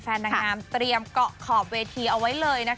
นางงามเตรียมเกาะขอบเวทีเอาไว้เลยนะคะ